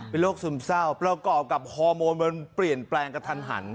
เป็นโรคซึมเศร้าประกอบกับฮอร์โมนมันเปลี่ยนแปลงกระทันหัน